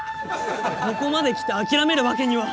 ここまで来て諦めるわけには。